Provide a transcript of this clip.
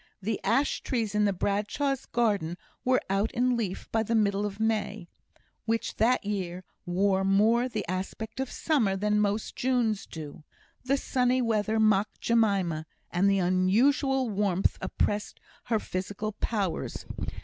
The ash trees in the Bradshaws' garden were out in leaf by the middle of May, which that year wore more the aspect of summer than most Junes do. The sunny weather mocked Jemima, and the unusual warmth oppressed her physical powers.